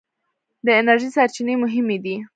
د انرژۍ سرچینې مهمې دي.